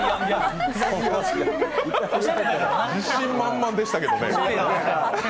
自信満々でしたけどね。